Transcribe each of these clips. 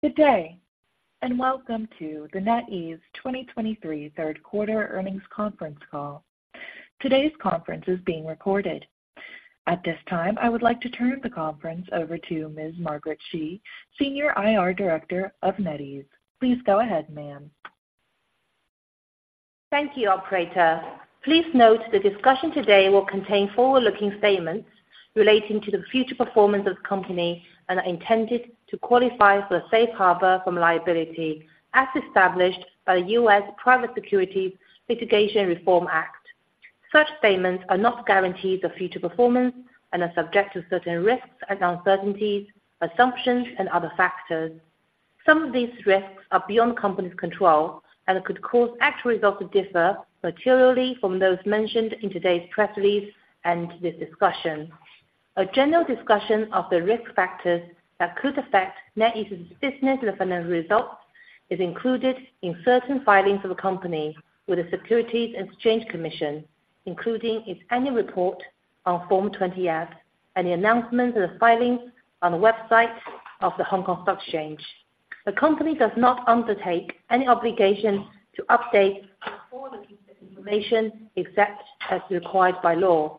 Good day, and welcome to the NetEase 2023 third quarter earnings conference call. Today's conference is being recorded. At this time, I would like to turn the conference over to Ms. Margaret Shi, Senior IR Director of NetEase. Please go ahead, ma'am. Thank you, operator. Please note the discussion today will contain forward-looking statements relating to the future performance of the company and are intended to qualify for a safe harbor from liability, as established by the U.S. Private Securities Litigation Reform Act. Such statements are not guaranteed of future performance and are subject to certain risks and uncertainties, assumptions, and other factors. Some of these risks are beyond the company's control and could cause actual results to differ materially from those mentioned in today's press release and this discussion. A general discussion of the risk factors that could affect NetEase's business and financial results is included in certain filings of the company with the Securities and Exchange Commission, including its annual report on Form 20-F, any announcements or filings on the website of the Hong Kong Stock Exchange. The company does not undertake any obligation to update any forward-looking information except as required by law.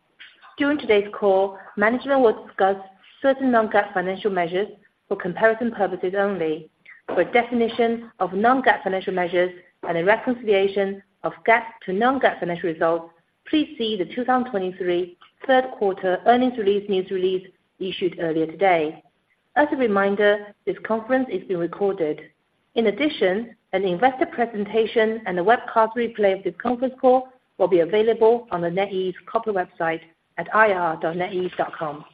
During today's call, management will discuss certain non-GAAP financial measures for comparison purposes only. For a definition of non-GAAP financial measures and a reconciliation of GAAP to non-GAAP financial results, please see the 2023 third quarter earnings release, news release issued earlier today. As a reminder, this conference is being recorded. In addition, an investor presentation and a webcast replay of this conference call will be available on the NetEase corporate website at ir.netease.com.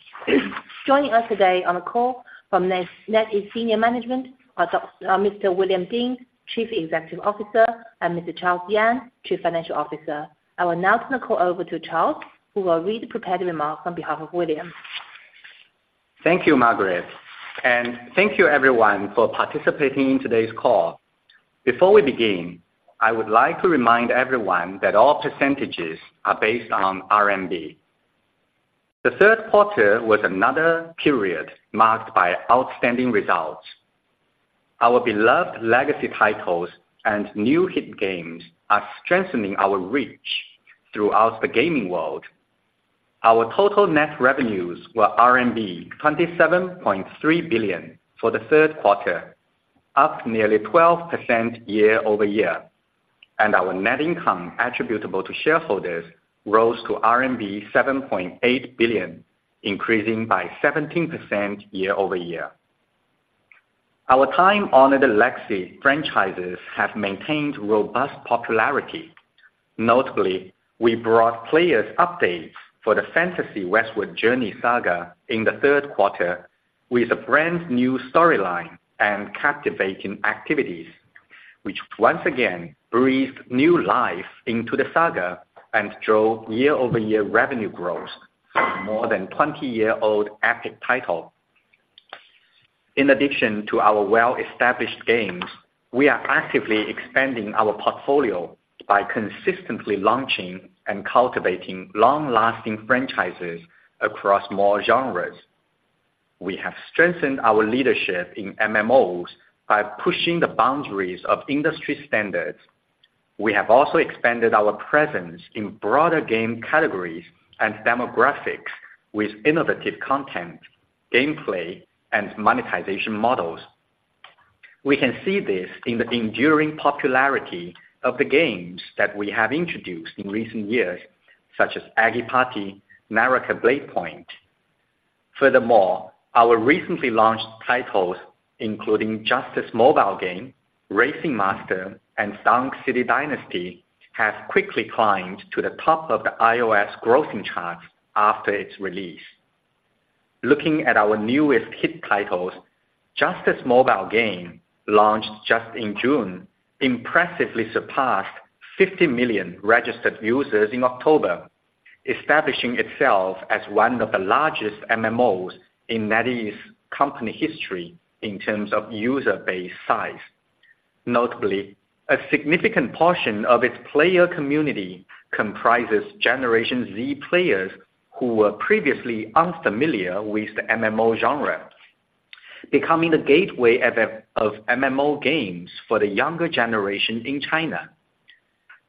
Joining us today on the call from NetEase senior management are Mr. William Ding, Chief Executive Officer, and Mr. Charles Yang, Chief Financial Officer. I will now turn the call over to Charles, who will read the prepared remarks on behalf of William. Thank you, Margaret, and thank you everyone for participating in today's call. Before we begin, I would like to remind everyone that all percentages are based on RMB. The third quarter was another period marked by outstanding results. Our beloved legacy titles and new hit games are strengthening our reach throughout the gaming world. Our total net revenues were RMB 27.3 billion for the third quarter, up nearly 12% year-over-year, and our net income attributable to shareholders rose to RMB 7.8 billion, increasing by 17% year-over-year. Our time-honored legacy franchises have maintained robust popularity. Notably, we brought players updates for the Fantasy Westward Journey saga in the third quarter with a brand-new storyline and captivating activities, which once again breathed new life into the saga and drove year-over-year revenue growth for a more than 20-year-old epic title. In addition to our well-established games, we are actively expanding our portfolio by consistently launching and cultivating long-lasting franchises across more genres. We have strengthened our leadership in MMOs by pushing the boundaries of industry standards. We have also expanded our presence in broader game categories and demographics with innovative content, gameplay, and monetization models. We can see this in the enduring popularity of the games that we have introduced in recent years, such as Eggy Party, NARAKA: BLADEPOINT. Furthermore, our recently launched titles, including Justice Mobile Game, Racing Master, and Dunk City Dynasty, have quickly climbed to the top of the iOS grossing charts after its release. Looking at our newest hit titles, Justice Mobile Game, launched just in June, impressively surpassed 50 million registered users in October, establishing itself as one of the largest MMOs in NetEase company history in terms of user base size. Notably, a significant portion of its player community comprises Generation Z players who were previously unfamiliar with the MMO genre, becoming the gateway of MMO games for the younger generation in China.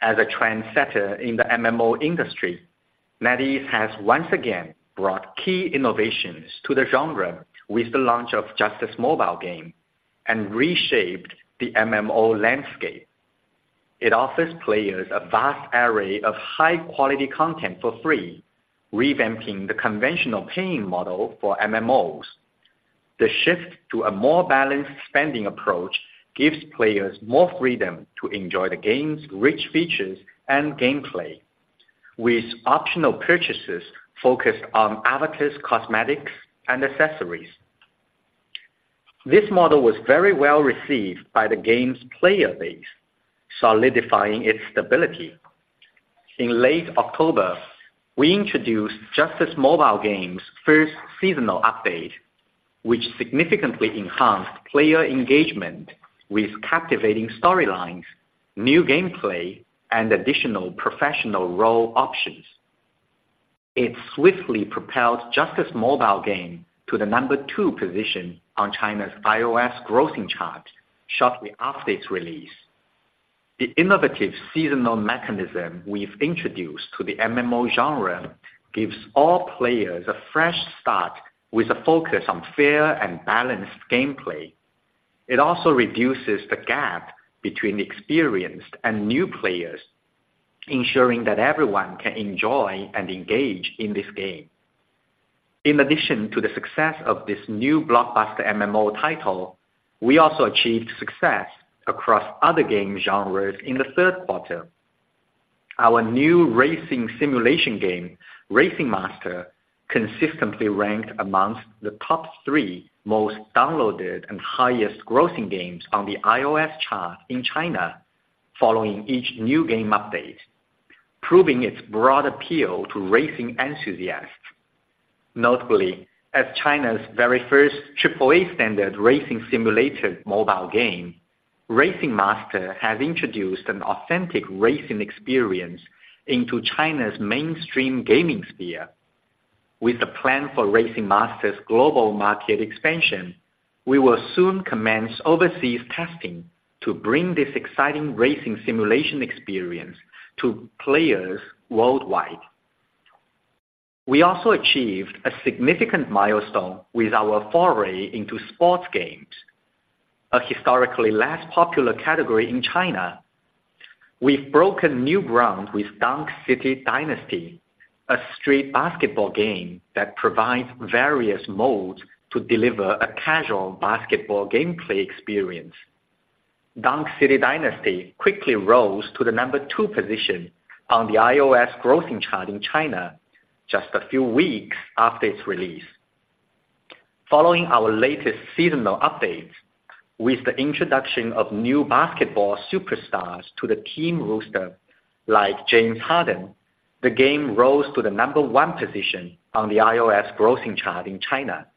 As a trendsetter in the MMO industry, NetEase has once again brought key innovations to the genre with the launch of Justice Mobile Game and reshaped the MMO landscape. It offers players a vast array of high-quality content for free, revamping the conventional paying model for MMOs. The shift to a more balanced spending approach gives players more freedom to enjoy the game's rich features and gameplay, with optional purchases focused on avatars, cosmetics, and accessories. This model was very well received by the game's player base, solidifying its stability. In late October, we introduced Justice Mobile Game's first seasonal update, which significantly enhanced player engagement with captivating storylines, new gameplay, and additional professional role options. It swiftly propelled Justice Mobile Game to the number 2 position on China's iOS Grossing Chart shortly after its release. The innovative seasonal mechanism we've introduced to the MMO genre gives all players a fresh start with a focus on fair and balanced gameplay. It also reduces the gap between experienced and new players, ensuring that everyone can enjoy and engage in this game. In addition to the success of this new blockbuster MMO title, we also achieved success across other game genres in the third quarter. Our new racing simulation game, Racing Master, consistently ranked amongst the top 3 most downloaded and highest grossing games on the iOS chart in China, following each new game update, proving its broad appeal to racing enthusiasts. Notably, as China's very first AAA standard racing simulator mobile game, Racing Master has introduced an authentic racing experience into China's mainstream gaming sphere. With a plan for Racing Master's global market expansion, we will soon commence overseas testing to bring this exciting racing simulation experience to players worldwide. We also achieved a significant milestone with our foray into sports games, a historically less popular category in China. We've broken new ground with Dunk City Dynasty, a street basketball game that provides various modes to deliver a casual basketball gameplay experience. Dunk City Dynasty quickly rose to the number 2 position on the iOS Grossing Chart in China just a few weeks after its release. Following our latest seasonal updates, with the introduction of new basketball superstars to the team roster, like James Harden, the game rose to the number 1 position on the iOS Grossing Chart in China.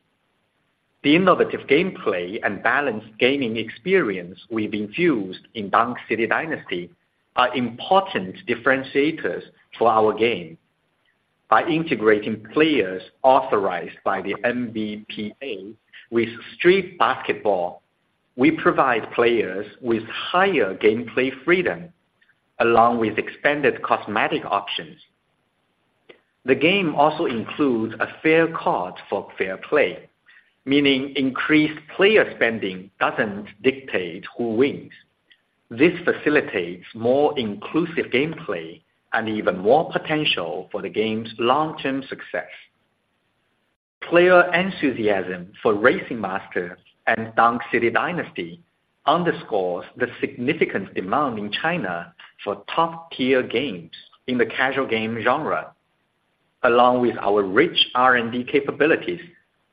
The innovative gameplay and balanced gaming experience we've infused in Dunk City Dynasty are important differentiators for our game. By integrating players authorized by the NBPA with street basketball, we provide players with higher gameplay freedom, along with expanded cosmetic options. The game also includes a fair card for fair play, meaning increased player spending doesn't dictate who wins. This facilitates more inclusive gameplay and even more potential for the game's long-term success. Player enthusiasm for Racing Master and Dunk City Dynasty underscores the significant demand in China for top-tier games in the casual game genre. Along with our rich R&D capabilities,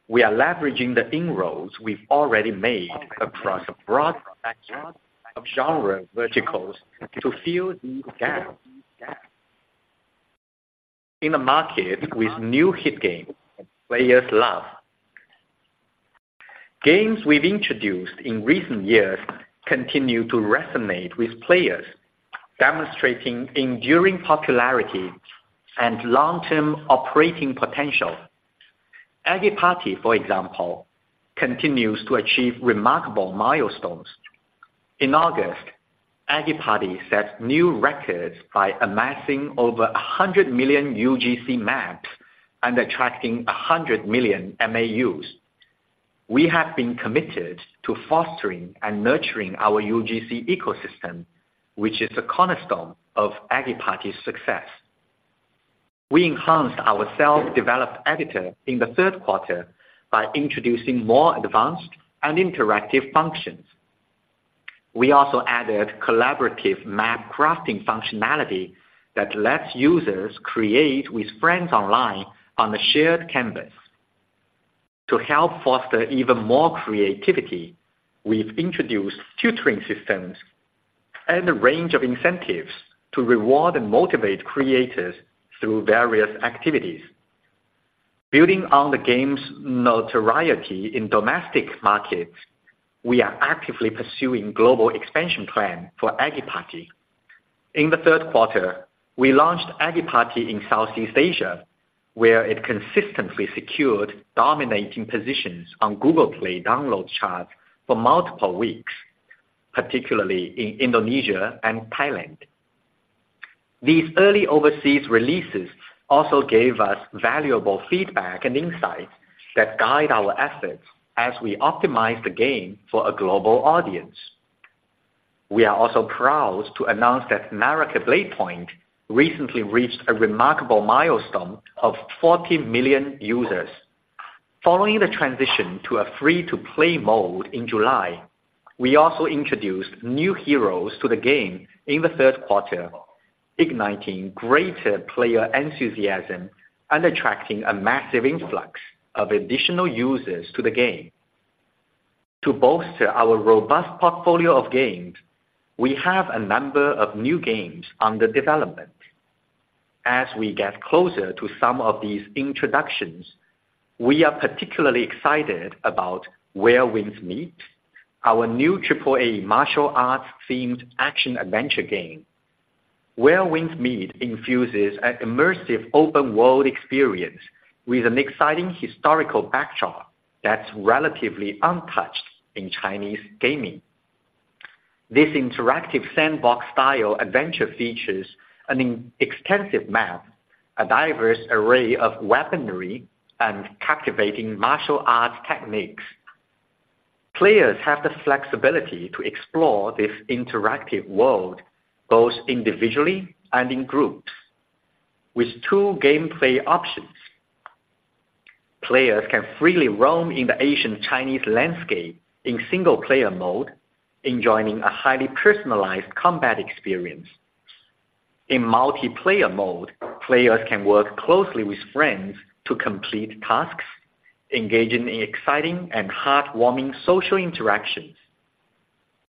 we are leveraging the inroads we've already made across a broad spectrum of genre verticals to fill these gaps in the market with new hit games that players love. Games we've introduced in recent years continue to resonate with players, demonstrating enduring popularity and long-term operating potential. Eggy Party, for example, continues to achieve remarkable milestones. In August, Eggy Party set new records by amassing over 100 million UGC maps and attracting 100 million MAUs. We have been committed to fostering and nurturing our UGC ecosystem, which is the cornerstone of Eggy Party's success. We enhanced our self-developed editor in the third quarter by introducing more advanced and interactive functions. We also added collaborative map crafting functionality that lets users create with friends online on a shared canvas. To help foster even more creativity, we've introduced tutoring systems and a range of incentives to reward and motivate creators through various activities. Building on the game's notoriety in domestic markets, we are actively pursuing global expansion plan for Eggy Party. In the third quarter, we launched Eggy Party in Southeast Asia, where it consistently secured dominating positions on Google Play download charts for multiple weeks, particularly in Indonesia and Thailand. These early overseas releases also gave us valuable feedback and insights that guide our efforts as we optimize the game for a global audience. We are also proud to announce that NARAKA: BLADEPOINT recently reached a remarkable milestone of 40 million users. Following the transition to a free-to-play mode in July, we also introduced new heroes to the game in the third quarter, igniting greater player enthusiasm and attracting a massive influx of additional users to the game. To bolster our robust portfolio of games, we have a number of new games under development. As we get closer to some of these introductions,... We are particularly excited about Where Winds Meet, our new AAA martial arts-themed action-adventure game. Where Winds Meet infuses an immersive open world experience with an exciting historical backdrop that's relatively untouched in Chinese gaming. This interactive sandbox style adventure features an extensive map, a diverse array of weaponry, and captivating martial arts techniques. Players have the flexibility to explore this interactive world, both individually and in groups, with two gameplay options. Players can freely roam in the ancient Chinese landscape in single-player mode, enjoying a highly personalized combat experience. In multiplayer mode, players can work closely with friends to complete tasks, engaging in exciting and heartwarming social interactions.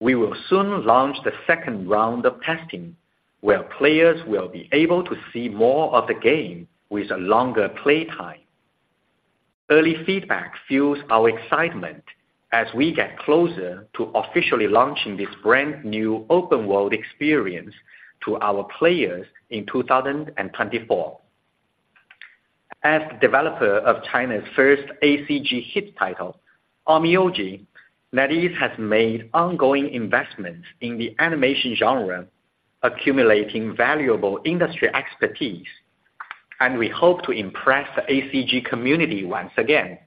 We will soon launch the second round of testing, where players will be able to see more of the game with a longer play time. Early feedback fuels our excitement as we get closer to officially launching this brand-new open world experience to our players in 2024. As the developer of China's first ACG hit title, Onmyoji, NetEase has made ongoing investments in the animation genre, accumulating valuable industry expertise, and we hope to impress the ACG community once again.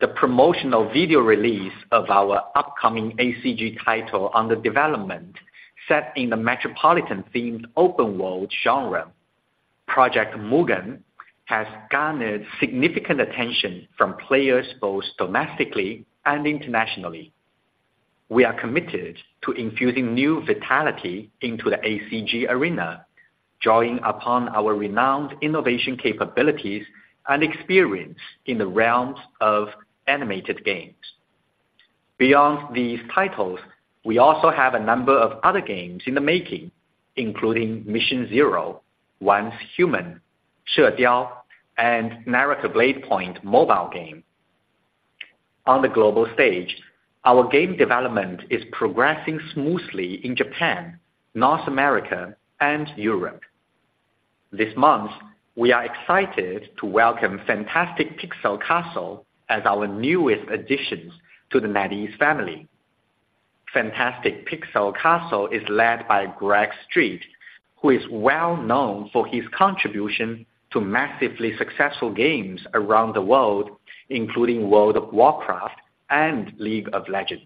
The promotional video release of our upcoming ACG title under development, set in the metropolitan-themed open world genre, Project Mugen, has garnered significant attention from players both domestically and internationally. We are committed to infusing new vitality into the ACG arena, drawing upon our renowned innovation capabilities and experience in the realms of animated games. Beyond these titles, we also have a number of other games in the making, including Mission Zero, Once Human, She Diao, and NARAKA: BLADEPOINT mobile game. On the global stage, our game development is progressing smoothly in Japan, North America, and Europe. This month, we are excited to welcome Fantastic Pixel Castle as our newest additions to the NetEase family. Fantastic Pixel Castle is led by Greg Street, who is well known for his contribution to massively successful games around the world, including World of Warcraft and League of Legends.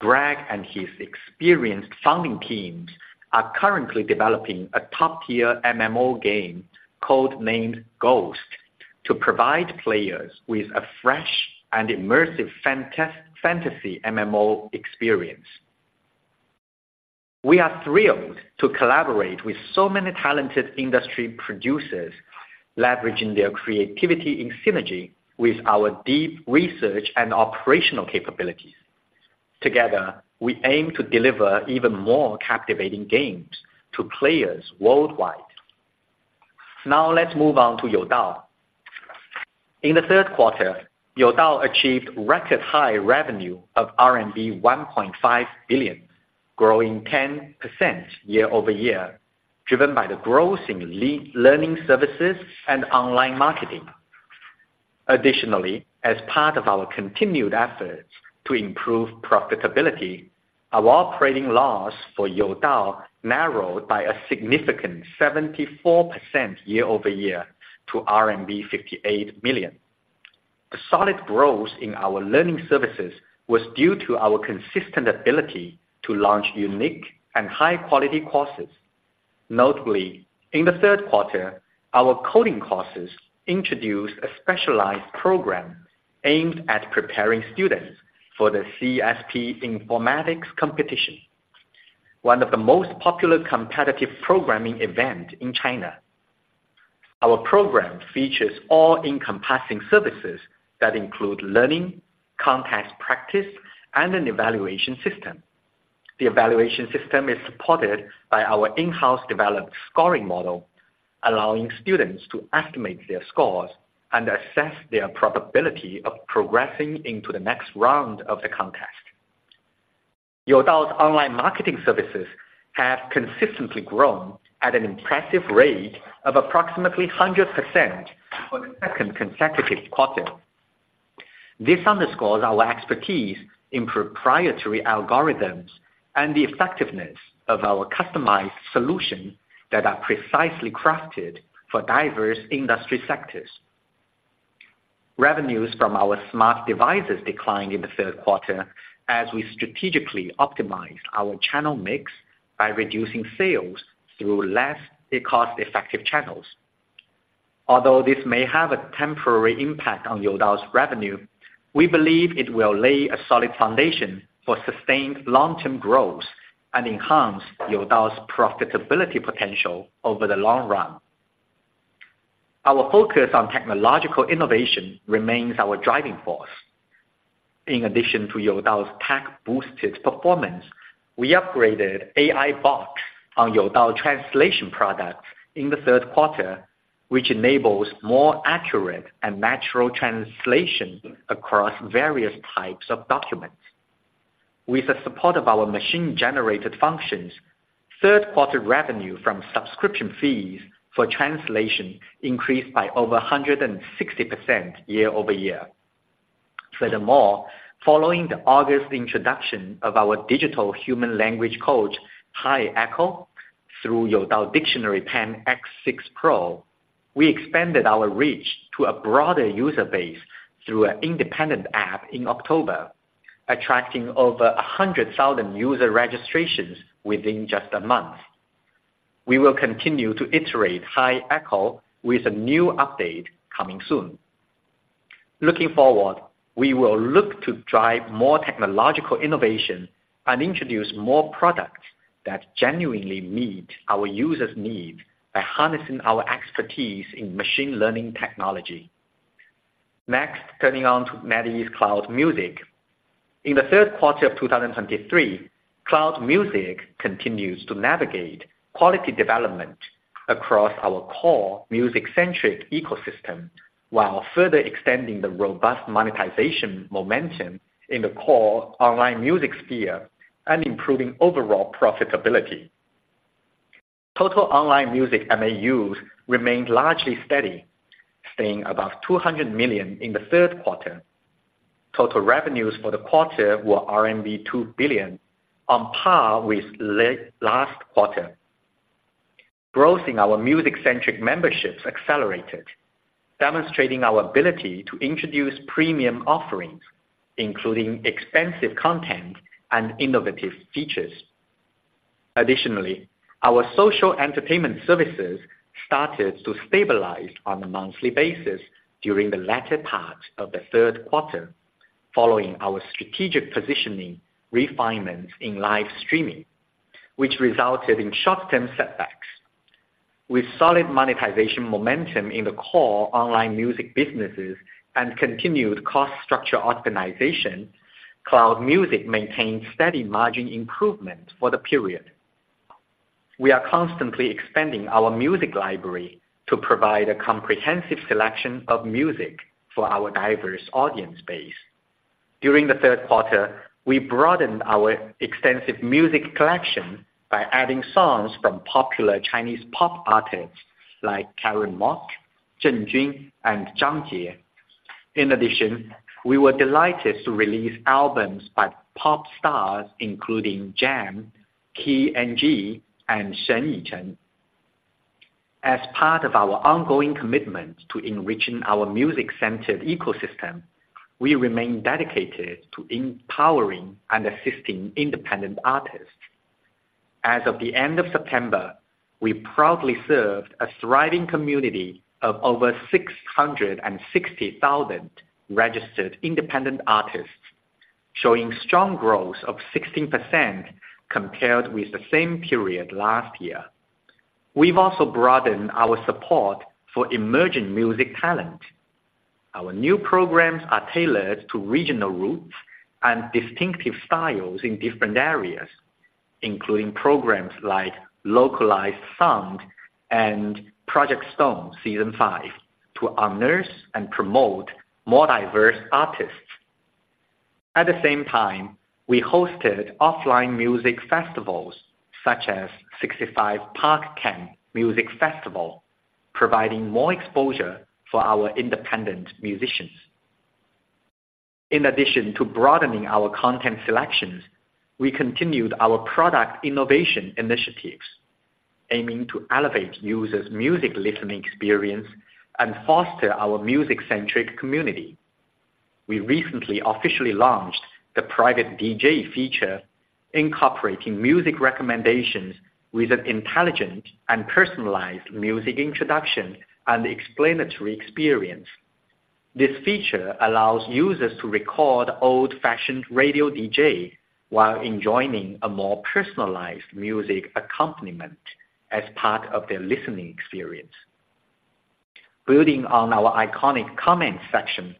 Greg and his experienced founding teams are currently developing a top-tier MMO game, code-named Ghost, to provide players with a fresh and immersive fantasy MMO experience. We are thrilled to collaborate with so many talented industry producers, leveraging their creativity in synergy with our deep research and operational capabilities. Together, we aim to deliver even more captivating games to players worldwide. Now, let's move on to Youdao. In the third quarter, Youdao achieved record high revenue of RMB 1.5 billion, growing 10% year-over-year, driven by the growth in lead learning services and online marketing. Additionally, as part of our continued efforts to improve profitability, our operating loss for Youdao narrowed by a significant 74% year-over-year to RMB 58 million. The solid growth in our learning services was due to our consistent ability to launch unique and high-quality courses. Notably, in the third quarter, our coding courses introduced a specialized program aimed at preparing students for the CSP Informatics Competition, one of the most popular competitive programming event in China. Our program features all-encompassing services that include learning, contest practice, and an evaluation system. The evaluation system is supported by our in-house developed scoring model, allowing students to estimate their scores and assess their probability of progressing into the next round of the contest. Youdao's online marketing services have consistently grown at an impressive rate of approximately 100% for the second consecutive quarter. This underscores our expertise in proprietary algorithms and the effectiveness of our customized solutions that are precisely crafted for diverse industry sectors. Revenues from our smart devices declined in the third quarter as we strategically optimized our channel mix by reducing sales through less cost-effective channels. Although this may have a temporary impact on Youdao's revenue, we believe it will lay a solid foundation for sustained long-term growth and enhance Youdao's profitability potential over the long run. Our focus on technological innovation remains our driving force... In addition to Youdao's tech-boosted performance, we upgraded AI bot on Youdao Translation product in the third quarter, which enables more accurate and natural translation across various types of documents. With the support of our machine-generated functions, third quarter revenue from subscription fees for translation increased by over 160% year-over-year. Furthermore, following the August introduction of our digital human language coach, Hi Echo, through Youdao Dictionary Pen X6 Pro, we expanded our reach to a broader user base through an independent app in October, attracting over 100,000 user registrations within just a month. We will continue to iterate Hi Echo with a new update coming soon. Looking forward, we will look to drive more technological innovation and introduce more products that genuinely meet our users' needs by harnessing our expertise in machine learning technology. Next, turning to NetEase Cloud Music. In the third quarter of 2023, Cloud Music continues to navigate quality development across our core music-centric ecosystem, while further extending the robust monetization momentum in the core online music sphere and improving overall profitability. Total online music MAUs remained largely steady, staying above 200 million in the third quarter. Total revenues for the quarter were RMB 2 billion, on par with last quarter. Growth in our music-centric memberships accelerated, demonstrating our ability to introduce premium offerings, including expensive content and innovative features. Additionally, our social entertainment services started to stabilize on a monthly basis during the latter part of the third quarter, following our strategic positioning refinements in live streaming, which resulted in short-term setbacks. With solid monetization momentum in the core online music businesses and continued cost structure optimization, Cloud Music maintained steady margin improvement for the period. We are constantly expanding our music library to provide a comprehensive selection of music for our diverse audience base. During the third quarter, we broadened our extensive music collection by adding songs from popular Chinese pop artists like Karen Mok, Zheng Jun, and Zhang Jie. In addition, we were delighted to release albums by pop stars, including G.E.M., KeyNG, and Shen Yicheng. As part of our ongoing commitment to enriching our music-centered ecosystem, we remain dedicated to empowering and assisting independent artists. As of the end of September, we proudly served a thriving community of over 660,000 registered independent artists, showing strong growth of 16% compared with the same period last year. We've also broadened our support for emerging music talent. Our new programs are tailored to regional roots and distinctive styles in different areas, including programs like Localized Sound and Project Stone Season Five, to honor and promote more diverse artists. At the same time, we hosted offline music festivals such as 65PARK Camp Music Festival, providing more exposure for our independent musicians. In addition to broadening our content selections, we continued our product innovation initiatives, aiming to elevate users' music listening experience and foster our music-centric community. We recently officially launched the private DJ feature, incorporating music recommendations with an intelligent and personalized music introduction and explanatory experience. This feature allows users to record old-fashioned radio DJ, while enjoying a more personalized music accompaniment as part of their listening experience. Building on our iconic comment section,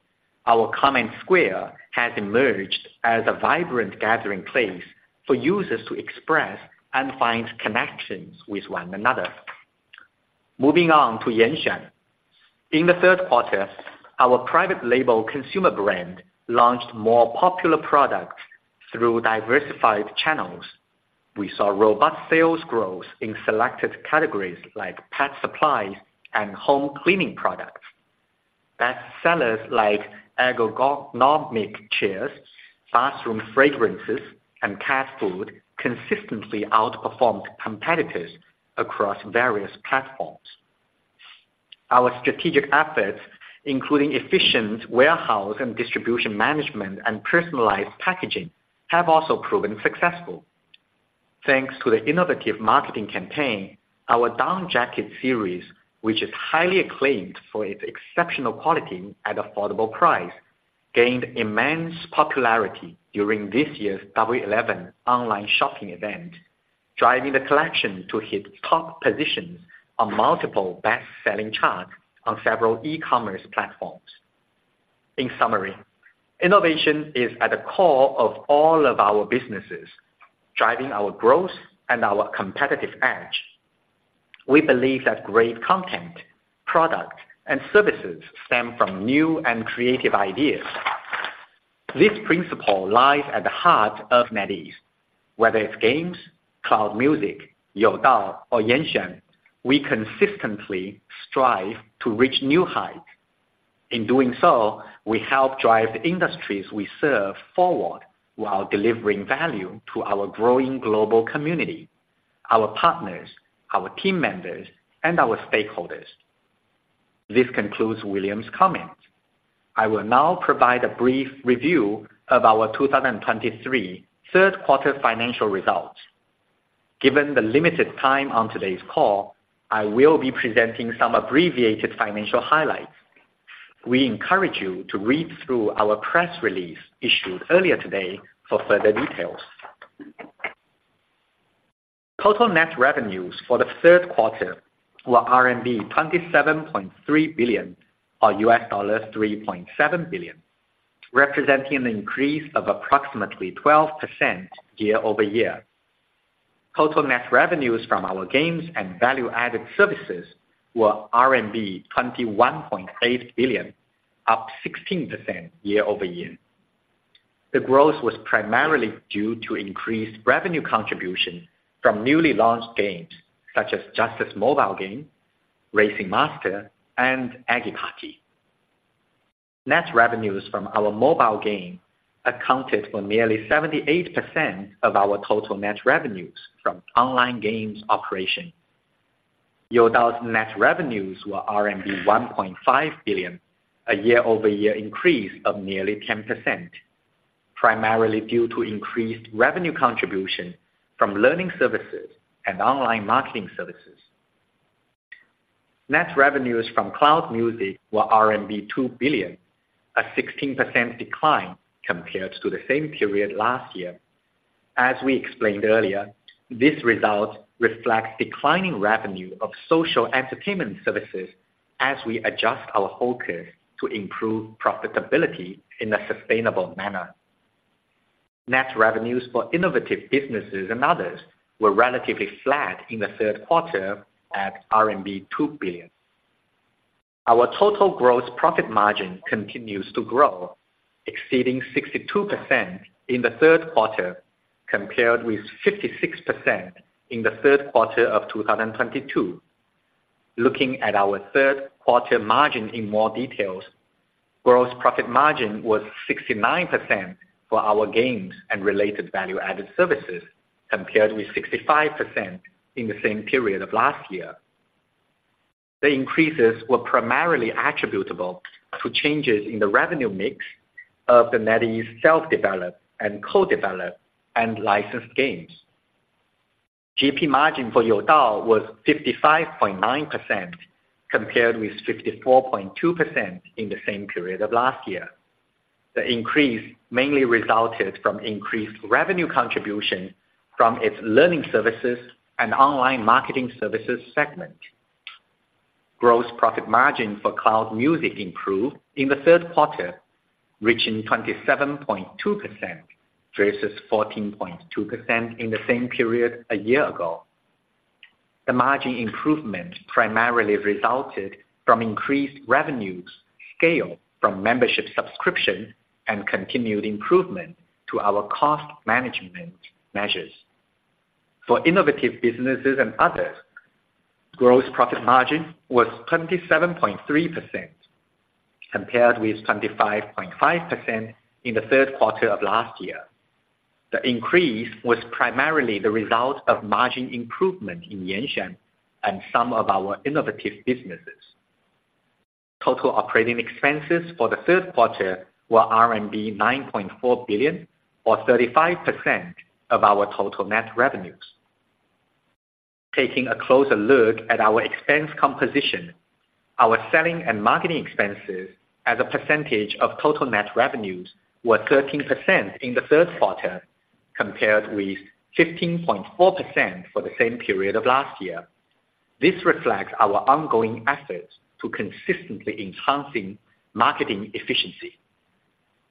our comment square has emerged as a vibrant gathering place for users to express and find connections with one another. Moving on to Yanxuan. In the third quarter, our private label consumer brand launched more popular products through diversified channels. We saw robust sales growth in selected categories like pet supplies and home cleaning products. Best sellers like ergonomic chairs, bathroom fragrances, and cat food consistently outperformed competitors across various platforms. Our strategic efforts, including efficient warehouse and distribution management and personalized packaging, have also proven successful. Thanks to the innovative marketing campaign, our down jacket series, which is highly acclaimed for its exceptional quality at affordable price, gained immense popularity during this year's Double Eleven online shopping event, driving the collection to hit top positions on multiple best-selling charts on several e-commerce platforms. In summary, innovation is at the core of all of our businesses, driving our growth and our competitive edge. We believe that great content, product, and services stem from new and creative ideas. This principle lies at the heart of NetEase, whether it's games, Cloud Music, Youdao or Yanxuan, we consistently strive to reach new heights. In doing so, we help drive the industries we serve forward, while delivering value to our growing global community, our partners, our team members, and our stakeholders. This concludes William's comments. I will now provide a brief review of our 2023 third quarter financial results. Given the limited time on today's call, I will be presenting some abbreviated financial highlights. We encourage you to read through our press release issued earlier today for further details. Total net revenues for the third quarter were RMB 27.3 billion, or $3.7 billion, representing an increase of approximately 12% year-over-year. Total net revenues from our games and value-added services were RMB 21.8 billion, up 16% year-over-year. The growth was primarily due to increased revenue contribution from newly launched games, such as Justice Mobile Game, Racing Master, and Eggy Party. Net revenues from our mobile game accounted for nearly 78% of our total net revenues from online games operation. Youdao's net revenues were RMB 1.5 billion, a year-over-year increase of nearly 10%, primarily due to increased revenue contribution from learning services and online marketing services. Net revenues from cloud music were RMB 2 billion, a 16% decline compared to the same period last year. As we explained earlier, this result reflects declining revenue of social entertainment services as we adjust our focus to improve profitability in a sustainable manner. Net revenues for innovative businesses and others were relatively flat in the third quarter at RMB 2 billion. Our total gross profit margin continues to grow, exceeding 62% in the third quarter, compared with 56% in the third quarter of 2022. Looking at our third quarter margin in more details, gross profit margin was 69% for our games and related value-added services, compared with 65% in the same period of last year. The increases were primarily attributable to changes in the revenue mix of the NetEase self-developed and co-developed and licensed games. GP margin for Youdao was 55.9%, compared with 54.2% in the same period of last year. The increase mainly resulted from increased revenue contribution from its learning services and online marketing services segment. Gross profit margin for Cloud Music improved in the third quarter, reaching 27.2% versus 14.2% in the same period a year ago. The margin improvement primarily resulted from increased revenues scale from membership subscription and continued improvement to our cost management measures. For innovative businesses and others, gross profit margin was 27.3%, compared with 25.5% in the third quarter of last year. The increase was primarily the result of margin improvement in Yanxuan and some of our innovative businesses. Total operating expenses for the third quarter were RMB 9.4 billion, or 35% of our total net revenues. Taking a closer look at our expense composition, our selling and marketing expenses as a percentage of total net revenues were 13% in the third quarter, compared with 15.4% for the same period of last year. This reflects our ongoing efforts to consistently enhancing marketing efficiency.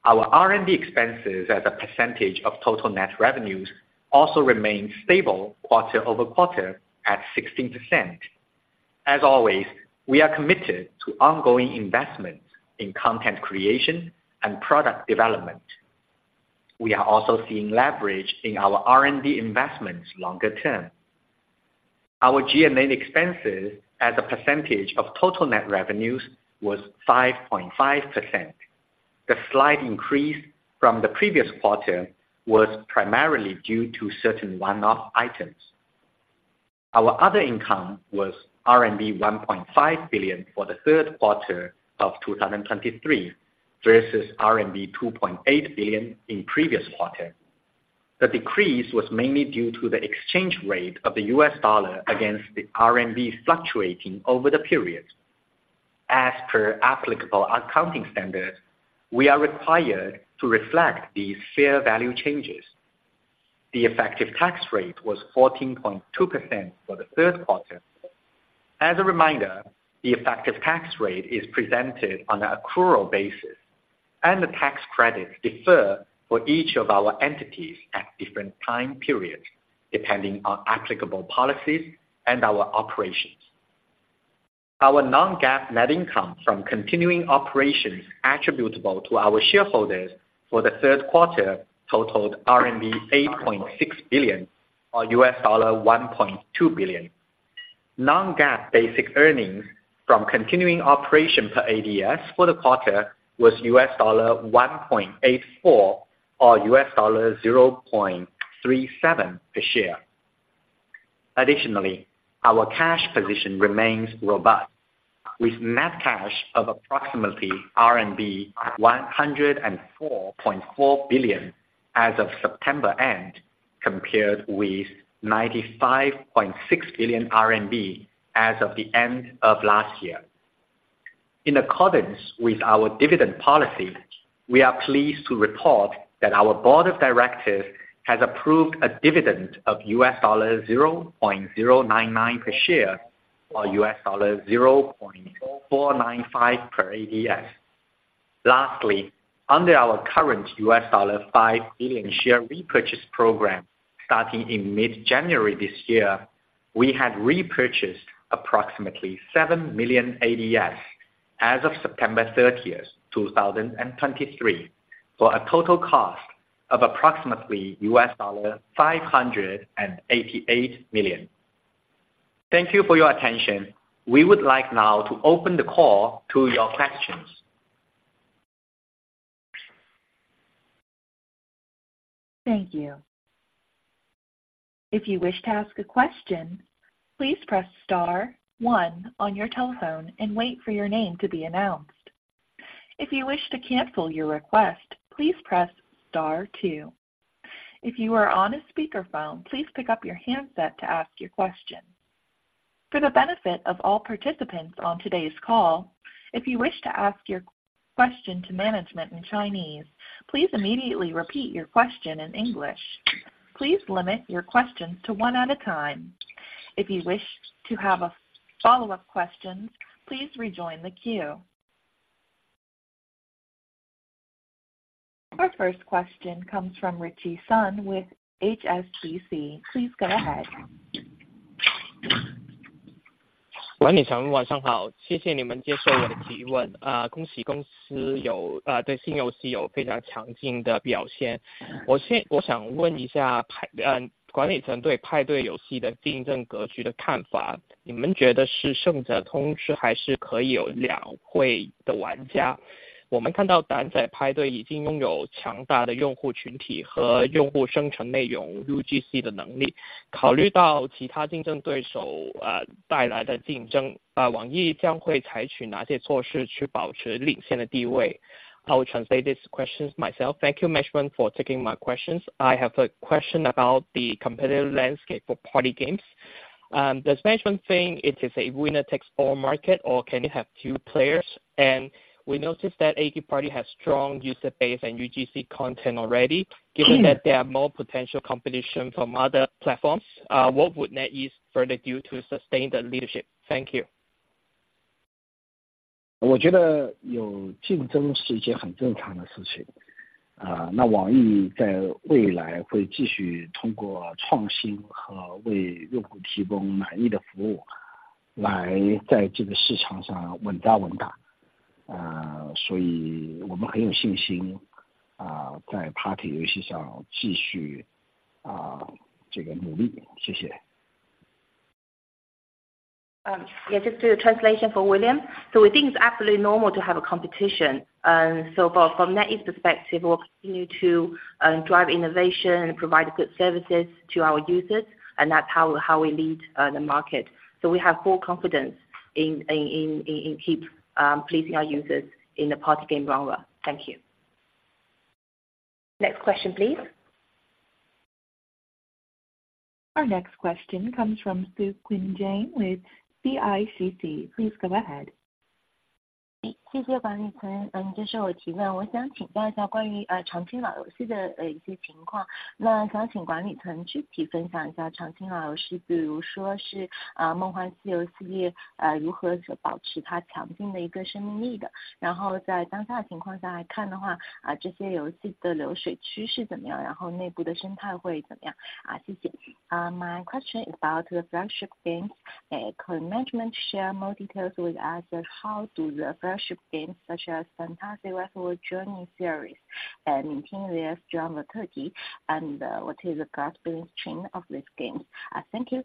Our R&D expenses as a percentage of total net revenues also remained stable quarter-over-quarter at 16%. As always, we are committed to ongoing investments in content creation and product development. We are also seeing leverage in our R&D investments longer term. Our G&A expenses as a percentage of total net revenues was 5.5%. The slight increase from the previous quarter was primarily due to certain one-off items. Our other income was RMB 1.5 billion for the third quarter of 2023, versus RMB 2.8 billion in previous quarter. The decrease was mainly due to the exchange rate of the US dollar against the RMB fluctuating over the period.... As per applicable accounting standards, we are required to reflect the fair value changes. The effective tax rate was 14.2% for the third quarter. As a reminder, the effective tax rate is presented on an accrual basis, and the tax credits defer for each of our entities at different time periods, depending on applicable policies and our operations. Our non-GAAP net income from continuing operations attributable to our shareholders for the third quarter totaled RMB 8.6 billion, or $1.2 billion. Non-GAAP basic earnings from continuing operations per ADS for the quarter was $1.84 or $0.37 per share. Additionally, our cash position remains robust, with net cash of approximately RMB 104.4 billion as of September end, compared with 95.6 billion RMB as of the end of last year. In accordance with our dividend policy, we are pleased to report that our Board of Directors has approved a dividend of $0.099 per share, or $0.495 per ADS. Lastly, under our current $5 billion share repurchase program starting in mid-January this year, we had repurchased approximately 7 million ADS as of September 30th, 2023, for a total cost of approximately $588 million. Thank you for your attention. We would like now to open the call to your questions. Thank you. If you wish to ask a question, please press star one on your telephone and wait for your name to be announced. If you wish to cancel your request, please press star two. If you are on a speakerphone, please pick up your handset to ask your question. For the benefit of all participants on today's call, if you wish to ask your question to management in Chinese, please immediately repeat your question in English. Please limit your questions to one at a time. If you wish to have a follow-up question, please rejoin the queue. Our first question comes from Ritchie Sun with HSBC. Please go ahead. 管理层对派对游戏的竞争格局的看法，你们觉得是胜者通吃，还是可以有两家的玩家？我们看到蛋仔派对已经拥有强大的用户群体和用户生成内容UGC的能力，考虑到其他竞争对手，带来的竞争，网易将会采取哪些措施去保持领先的地位？I will translate this question myself. Thank you, management, for taking my questions. I have a question about the competitive landscape for party games. Does management think it is a winner-takes-all market, or can you have two players? We noticed that Eggy Party has strong user base and UGC content already. Given that there are more potential competition from other platforms, what would NetEase further do to sustain the leadership? Thank you. 我觉得有竞争是一件很正常的事情，那网易在未来会继续通过创新和为用户提供满意的服务，来在这个市场上稳扎稳打。所以我们很有信心，在party游戏上继续这个努力，谢谢。Yeah, just do a translation for William. So we think it's absolutely normal to have a competition. But from NetEase's perspective, we'll continue to drive innovation and provide good services to our users, and that's how we lead the market. So we have full confidence in keeping pleasing our users in the party game genre. Thank you. Next question, please. Our next question comes from Jane Jian with CITIC. Please go ahead. 谢谢管理层，接受我提问。我想请教一下关于长期玩游戏的一些情况。那想请管理层具体分享一下长期玩游戏，比如说是，梦幻西游系列，如何去保持它强劲的一个生命力的？然后在当下的情况下来看的话，这些游戏的流水趋势怎么样，然后内部的生态会怎么样？谢谢。Could management share more details with us that how do the friendship games, such as Fantasy Westward Journey series, maintain their strong maturity? And what is the growth being chain of this games? Thank you.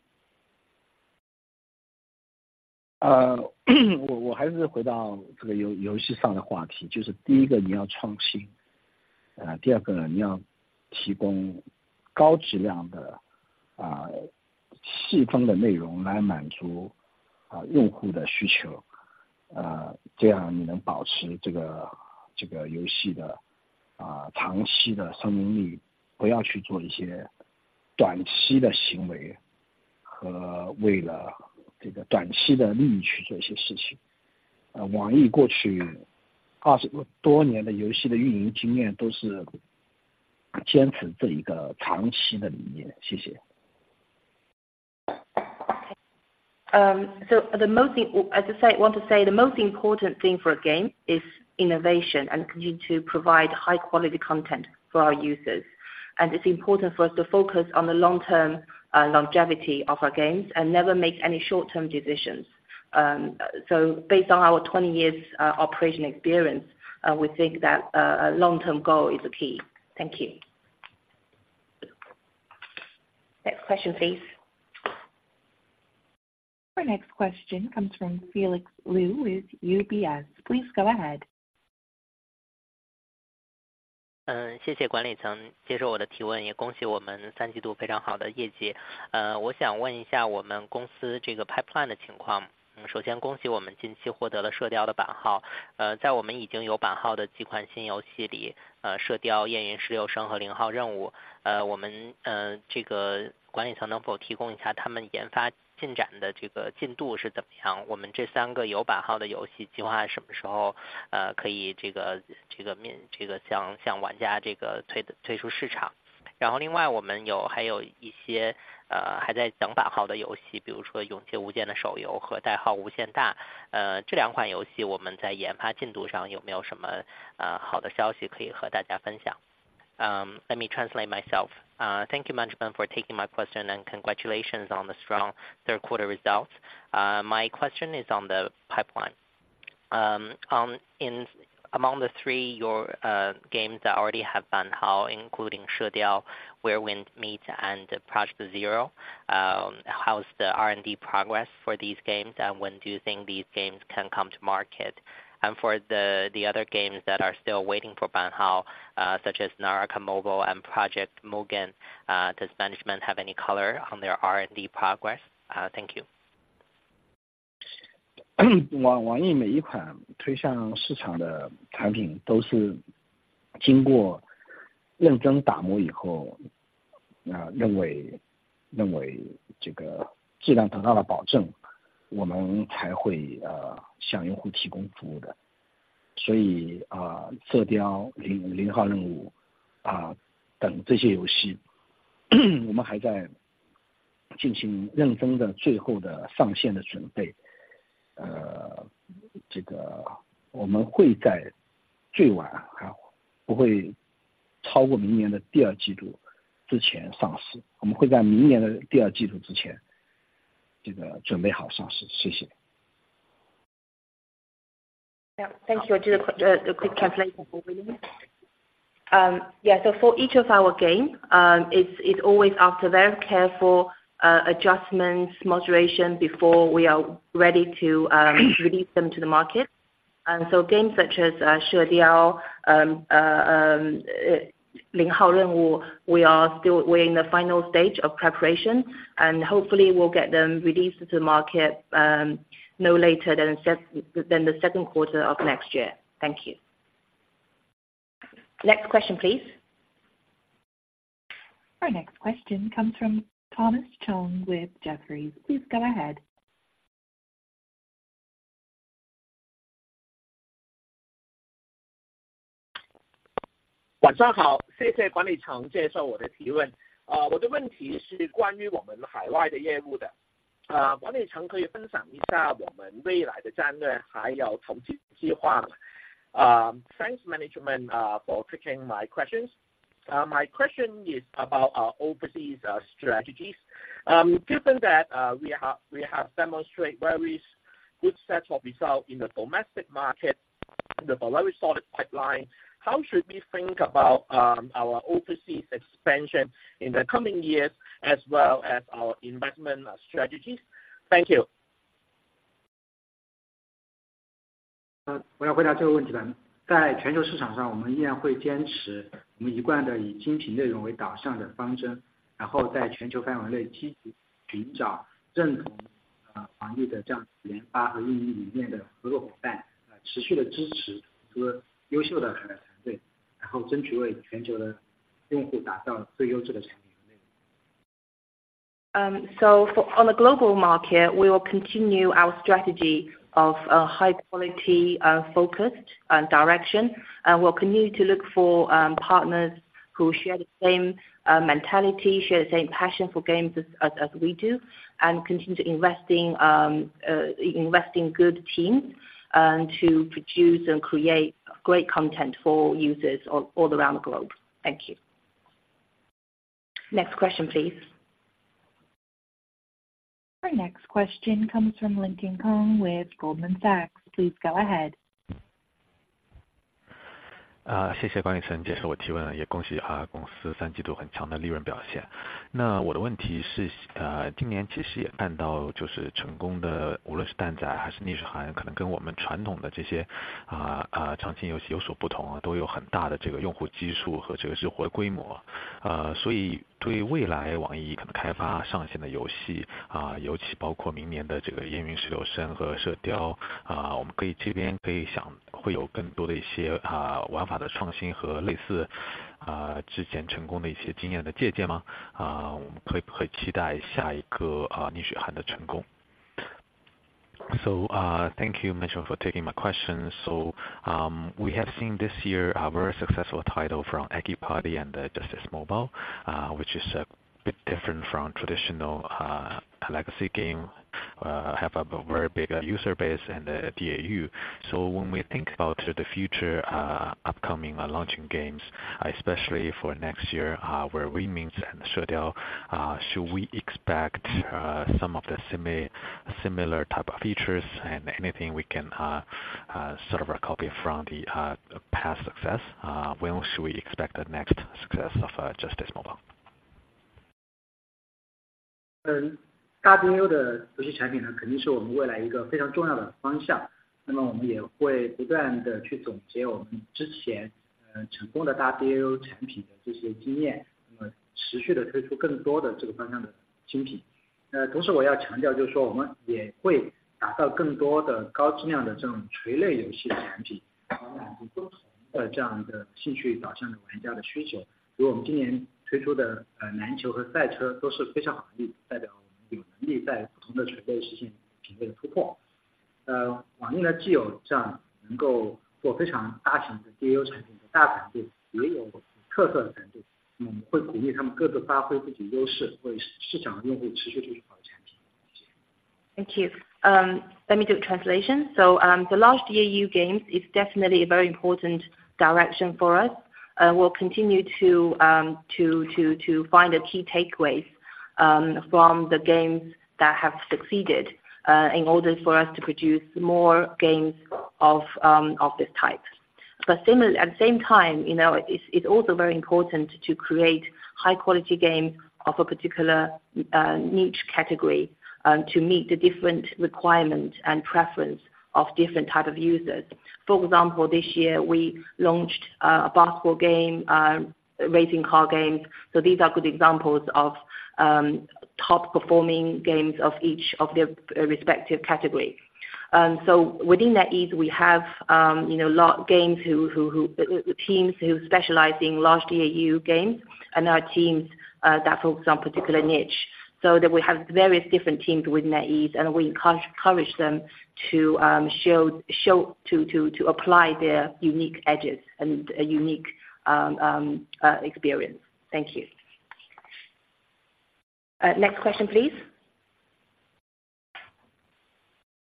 So the most, as I say, want to say the most important thing for a game is innovation and continue to provide high quality content for our users, and it's important for us to focus on the long term, longevity of our games and never make any short term decisions. So based on our 20 years operation experience, we think that a long term goal is the key. Thank you. Next question please. Our next question comes from Felix Liu with UBS. Please go ahead. Let me translate myself. Thank you management for taking my question and congratulations on the strong third quarter results. My question is on the pipeline. Among the three games that already have licenses, including She Diao, Where Winds Meet and Mission Zero. How is the R&D progress for these games? When do you think these games can come to market? For the other games that are still waiting for banhao, such as Naraka Mobile and Project Mugen, does management have any color on their R&D progress? Thank you. 网易每一款推向市场的产品都是经过认真打磨以后，认为这个质量得到了保证，我们才会向用户提供服务的。所以，射雕、零号任务等这些游戏，我们还在进行认真的最后的线上的准备。这个我们会在最晚，不会超过明年的第二季度之前上市，我们会在明年的第二季度之前这个准备好上市。谢谢。Yeah, thank you. Just a quick translation. Yeah, so for each of our game, it's always after very careful adjustments moderation before we are ready to release them to the market. And so games such as She Diao, Mission Zero, we are still in the final stage of preparation, and hopefully we'll get them released to the market, no later than the second quarter of next year. Thank you. Next question, please. Our next question comes from Thomas Chong with Jefferies. Please go ahead. Thanks management for taking my questions. My question is about our overseas strategies. Given that we have, we have demonstrate very good sets of results in the domestic market, the very solid pipeline, how should we think about our overseas expansion in the coming years as well as our investment strategies? Thank you. 我要回答这个问题吧。在全球市场上，我们仍然会坚持我们一贯的以精品内容为导向的方针，然后在全球范围内积极寻找认同网易的这样研发和运营理念的合作伙伴，持续地支持许多优秀的海外团队，然后争取为全球的用户打造最优质的产品内容。So for on the global market, we will continue our strategy of high quality, focused and direction. We'll continue to look for partners who share the same mentality, share the same passion for games as we do, and continue to investing investing good teams to produce and create great content for users all around the globe. Thank you. Next question, please. Our next question comes from Lincoln Kong with Goldman Sachs. Please go ahead. 是蛋仔还是逆水寒，可能跟我们传统的这些长期游戏有所不同，都有很大的这个用户基数和这个生命周期。所以对于未来网易可能开发上线的游戏，尤其是包括明年的这个燕云十六声和射雕，我们这边可以想，会有更多的 一些玩法的创新和类似之前成功的一些经验的借鉴吗？我们可以很期待下一个，逆水寒的成功。...So, thank you, Mitchell, for taking my questions. So, we have seen this year a very successful title from Eggy Party and Justice Mobile, which is a bit different from traditional legacy game, have a very big user base and a DAU. So when we think about the future, upcoming launching games, especially for next year, Where Winds Meet and so on, should we expect some of the semi-similar type of features and anything we can sort of recover from the past success? When should we expect the next success of Justice Mobile? Got you the- Thank you. Let me do translation. So, the last DAU games is definitely a very important direction for us. We'll continue to find the key takeaways from the games that have succeeded in order for us to produce more games of this type. But similarly, at the same time, you know, it's also very important to create high quality games of a particular niche category to meet the different requirements and preference of different type of users. For example, this year we launched a basketball game, racing car games, so these are good examples of top performing games of each of their respective category. So, within NetEase, we have, you know, NetEase Games teams who specialize in large DAU games and our teams that focus on particular niche, so that we have various different teams within NetEase, and we encourage them to apply their unique edges and a unique experience. Thank you. Next question please.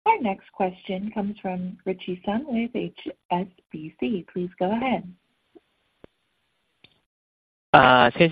Our next question comes from Ritchie Sun with HSBC. Please go ahead. Thank you.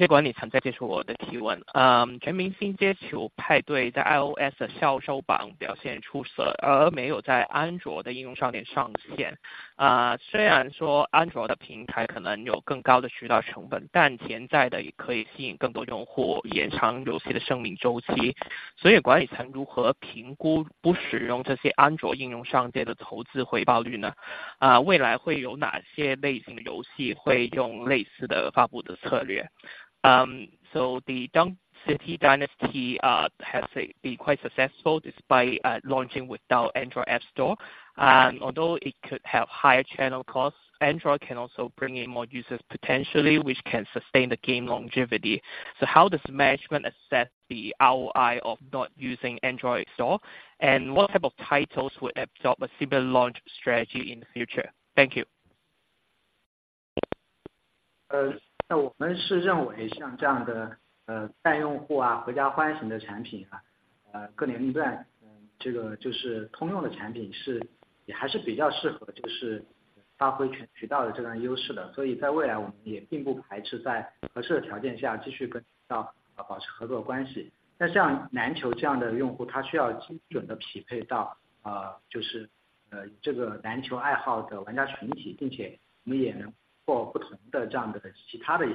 So the Dunk City Dynasty has been quite successful despite launching without Android App Store. Although it could have higher channel costs, Android can also bring in more users potentially, which can sustain the game longevity. So how does management assess the ROI of not using Android store? And what type of titles would adopt a similar launch strategy in the future? Thank you. Now, we may sound like Thank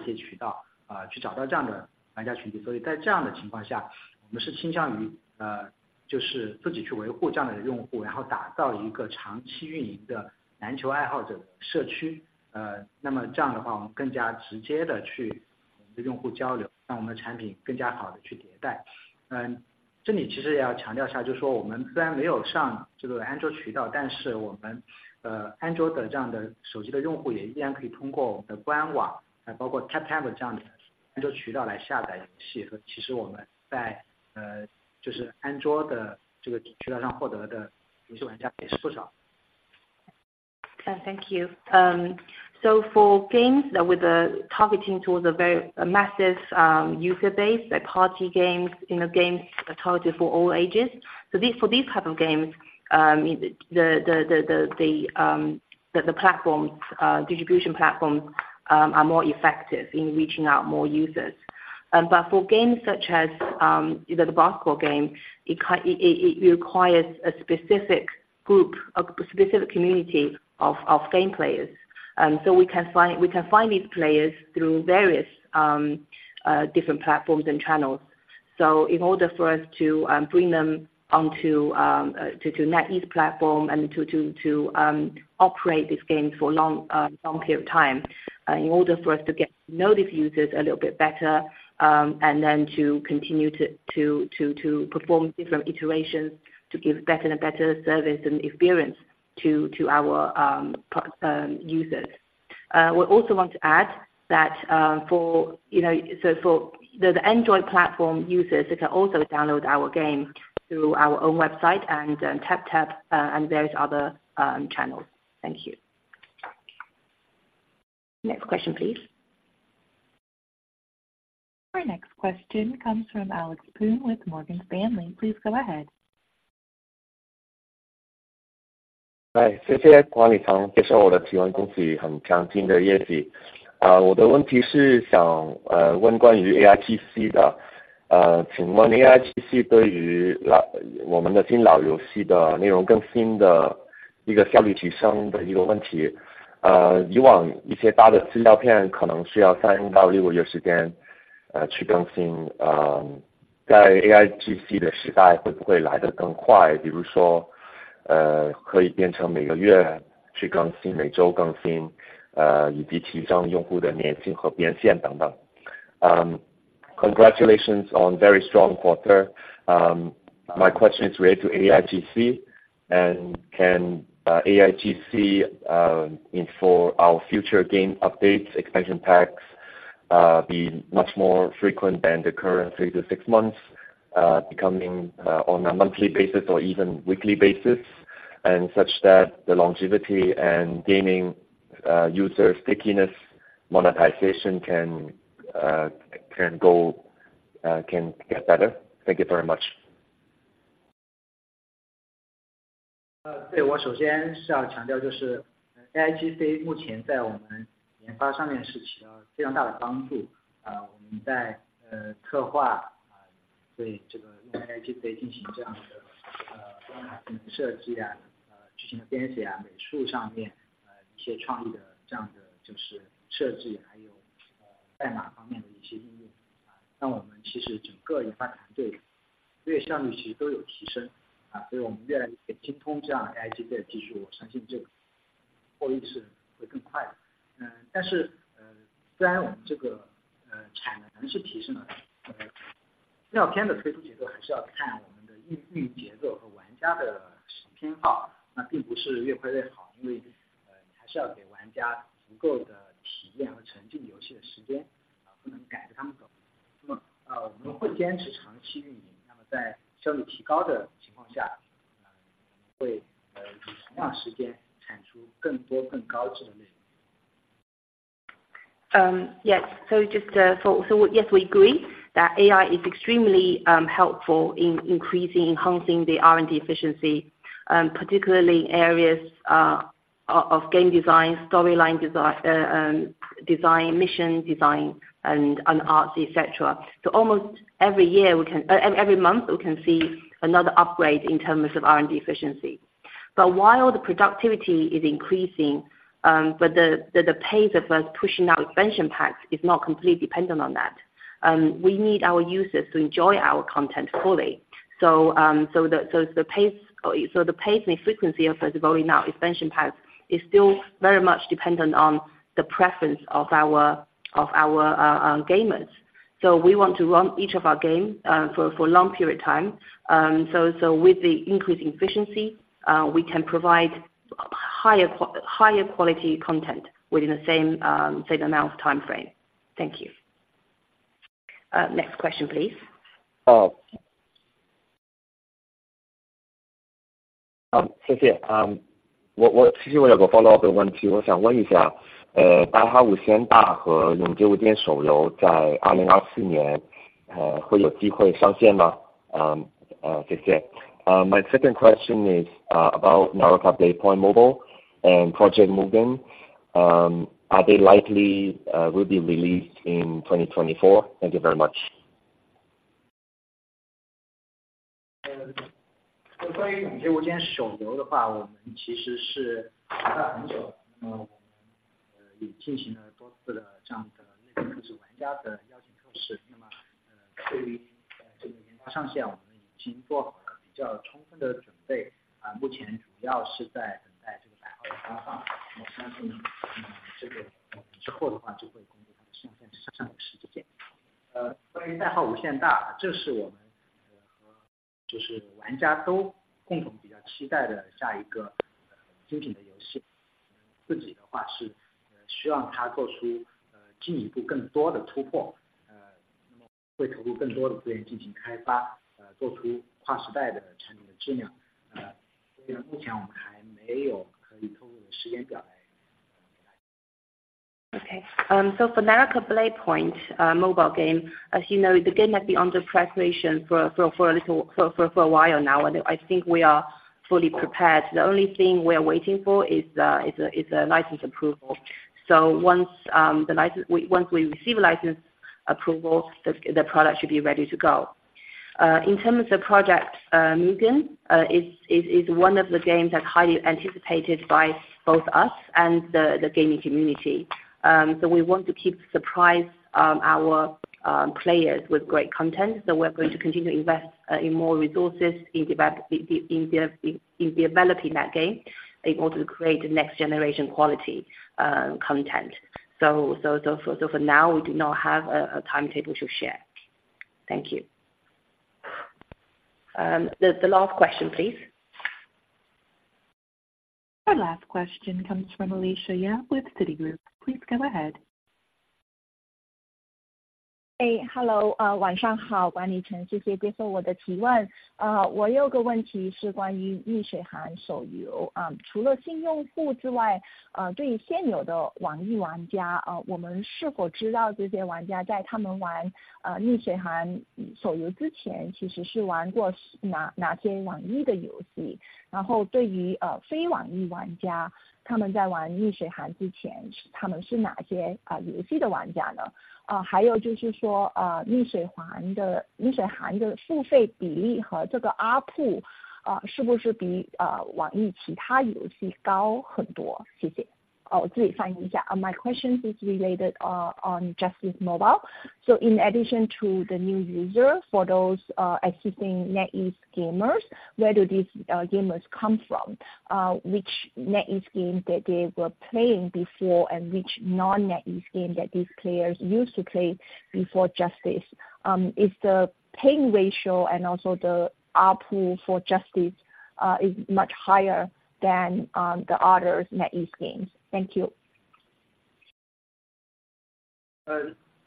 you. So for games that with the targeting towards a very massive user base, like party games, you know, games targeted for all ages. So for these type of games, the platforms, distribution platforms, are more effective in reaching out more users. But for games such as, you know, the basketball game, it requires a specific group, a specific community of game players. So we can find these players through various different platforms and channels. So in order for us to bring them onto NetEase platform and to operate these games for long period of time, in order for us to get to know these users a little bit better, and then to continue to perform different iterations, to give better and better service and experience to our users. We also want to add that, for you know, so for the Android platform users, they can also download our game through our own website and TapTap and various other channels. Thank you. Next question, please. Our next question comes from Alex Poon with Morgan Stanley. Please go ahead. Hi, 谢谢管理层接受我的提问，恭喜很强劲的业绩。我的问题是想，问关于AIGC的，请问AIGC对于我们的新老游戏的内容更新的一个效率提升的一个问题。以往一些大的资料片可能是要3-6个月时间，去更新，在AIGC的时代会不会来得更快？比如说，可以变成每个月去更新，每周更新，以及提升用户的粘性和变现等等。congratulations on very strong quarter. My question is related to AIGC, and can AIGC in for our future game updates, expansion packs be much more frequent than the current 3-6 months, becoming on a monthly basis or even weekly basis, and such that the longevity and gaming user stickiness, monetization can get better? Thank you very much. Yes. So just, so yes, we agree that AI is extremely helpful in increasing, enhancing the R&D efficiency, particularly in areas of game design, storyline design, mission design, and on arts, et cetera. So almost every year, every month, we can see another upgrade in terms of R&D efficiency. But while the productivity is increasing, but the pace of us pushing out expansion packs is not completely dependent on that. We need our users to enjoy our content fully. So, the pace and frequency of us rolling out expansion packs is still very much dependent on the preference of our gamers. So we want to run each of our game for long period of time. So with the increased efficiency, we can provide higher quality content within the same amount of time frame. Thank you. Next question, please. 哦。好，谢谢。其实我有个follow up的问题，我想问一下，代号无限大和勇者无敌手游在2024年，会有机会上线吗？谢谢。My second question is about NARAKA: BLADEPOINT Mobile and Project Mugen. Are they likely will be released in 2024? Thank you very much. Okay. So for NARAKA: BLADEPOINT mobile game, as you know, the game has been under preparation for a little while now, and I think we are fully prepared. The only thing we are waiting for is a license approval. So once we receive license approval, the product should be ready to go. In terms of Project Mugen, it's one of the games that highly anticipated by both us and the gaming community. So we want to keep surprise our players with great content. So we're going to continue to invest in more resources in developing that game in order to create the next generation quality content. So for now, we do not have a timetable to share. Thank you. The last question, please. Our last question comes from Alicia Yap with Citigroup. Please go ahead. Hey, hello. 晚上好，管理层，谢谢接受我的提问。我有个问题是关于逆水寒手游。除了新用户之外，对于现有的网易玩家，我们是否知道这些玩家在他们玩逆水寒手游之前，其实是玩过哪些网易的游戏？然后对于非网易玩家，他们在玩逆水寒之前，他们是哪些游戏的玩家呢？还有就是说，逆水寒的付费比例和这个ARPU，是不是比网易其他游戏高很多？谢谢。我自己翻译一下。My question is related on Justice Mobile. So in addition to the new user, for those existing NetEase gamers, where do these gamers come from? Which NetEase game that they were playing before and which non-NetEase game that these players used to play before Justice? Is the paying ratio and also the ARPU for Justice is much higher than the other NetEase games. Thank you.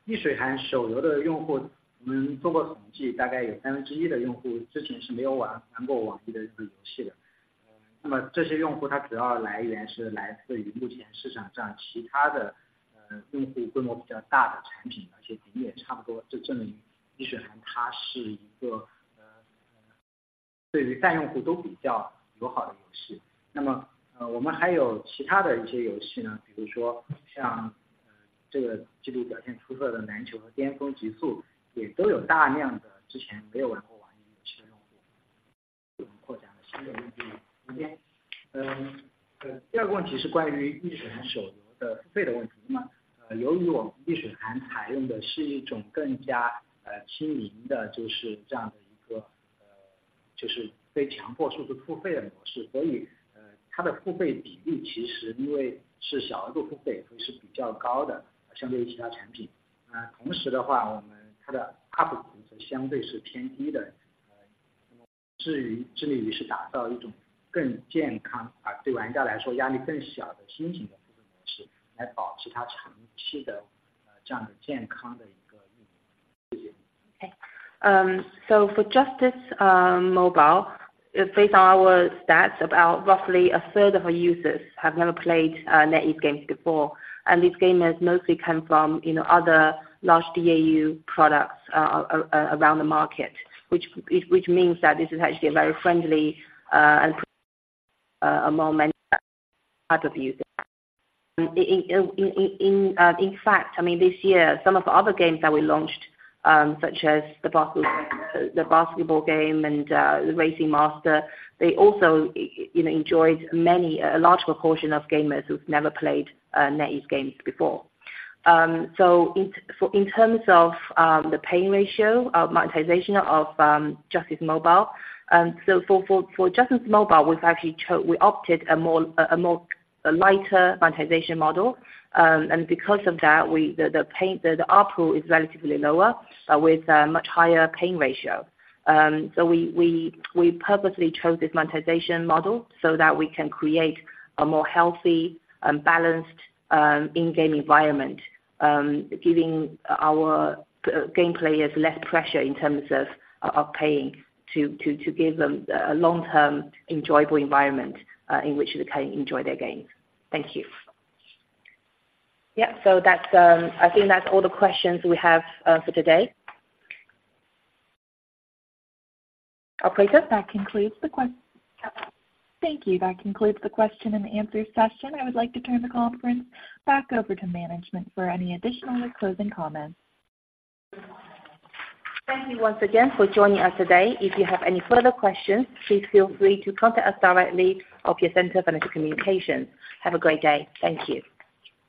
逆水寒手游的用户，我们做过统计，大概有三分之一的用户之前是没有玩过网易的这种游戏的。那么这些用户主要来源是来自于目前市场上其他的，用户规模比较大的产品，而且比例也差不多，这证明逆水寒它是一个，对于用户都比较友好的游戏。那么，我们还有其他的一些游戏呢，比如说像这个季度表现出色的篮球和巅峰极速，也都有大量的之前没有玩过网易游戏的用户，扩展了新的用户。So for Justice Mobile, based on our stats, about roughly a third of our users have never played NetEase games before. And these gamers mostly come from, you know, other large DAU products around the market, which means that this is actually a very friendly and among many type of users. In fact, I mean, this year, some of the other games that we launched, such as the basketball game and the Racing Master, they also, you know, enjoyed a large proportion of gamers who've never played NetEase games before. So in terms of the paying ratio of monetization of Justice Mobile, so for Justice Mobile, we've actually opted a more, a more, a lighter monetization model. And because of that, the ARPU is relatively lower with a much higher paying ratio. So we purposely chose this monetization model so that we can create a more healthy and balanced in-game environment, giving our game players less pressure in terms of paying to give them a long-term, enjoyable environment in which they can enjoy their games. Thank you. Yeah. So that's, I think that's all the questions we have for today. Operator, that concludes the question. Thank you. That concludes the question and answer session. I would like to turn the conference back over to management for any additional or closing comments. Thank you once again for joining us today. If you have any further questions, please feel free to contact us directly or Investor Relations. Have a great day. Thank you.